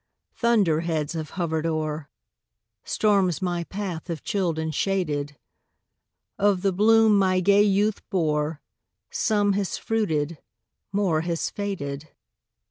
Thunder heads have hovered o'er Storms my path have chilled and shaded; Of the bloom my gay youth bore, Some has fruited more has faded."